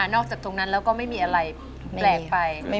จากตรงนั้นแล้วก็ไม่มีอะไรแปลกไป